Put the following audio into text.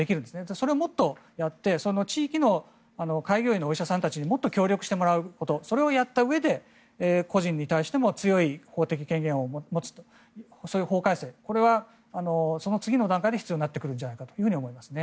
それをもっとやって地域の開業医のお医者さんたちにもっと協力してもらうことそれをやったうえで個人に対しても強い提言を持つという法改正これはその次の段階で必要になってくるんじゃないかと思いますね。